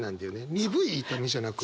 「鈍い痛み」じゃなくね。